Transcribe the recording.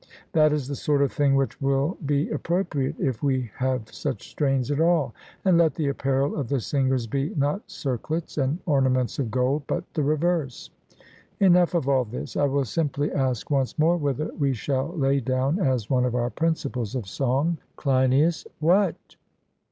That is the sort of thing which will be appropriate if we have such strains at all; and let the apparel of the singers be, not circlets and ornaments of gold, but the reverse. Enough of all this. I will simply ask once more whether we shall lay down as one of our principles of song CLEINIAS: What?